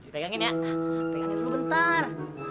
pegangin ya pegangin dulu bentar